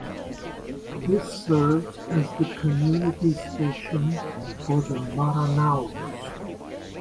This serves as the community station for the Maranaos.